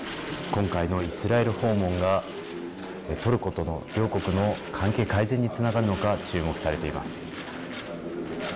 今回のイスラエル訪問がトルコとの両国の関係改善につながるのか注目されています。